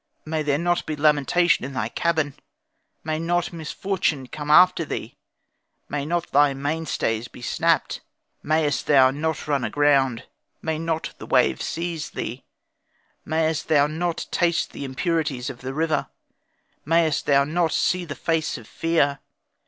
May there not be lamentation in thy cabin; May not misfortune come after thee. May not thy mainstays be snapped; Mayest thou not run aground. May not the wave seize thee; Mayest thou not taste the impurities of the river; Mayest thou not see the face of fear.